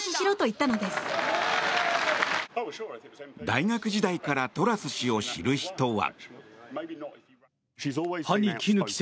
大学時代からトラス氏を知る人は。